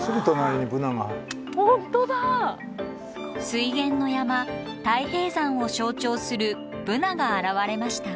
水源の山太平山を象徴するブナが現れました。